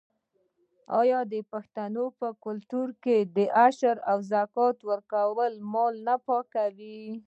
آیا د پښتنو په کلتور کې د عشر او زکات ورکول مال نه پاکوي؟